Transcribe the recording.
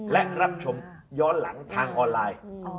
และรับชมย้อนหลังทางออนไลน์